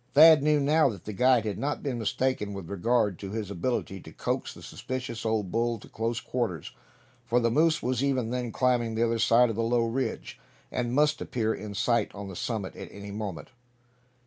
Thad knew now that the guide had not been mistaken with regard to his ability to coax the suspicious old bull to close quarters; for the moose was even then climbing the other side of the low ridge, and must appear in sight on the summit at any moment!